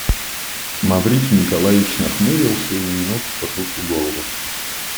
Маврикий Николаевич нахмурился и на минуту потупил голову.